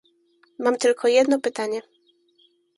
Mam tylko jedno pytanie